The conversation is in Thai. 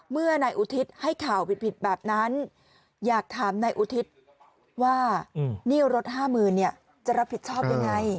เมื่อนายอุทิศให้ข่าวผิดแบบนั้นอยากถามนายอุทิศว่าหนี้รถ๕๐๐๐เนี่ยจะรับผิดชอบยังไง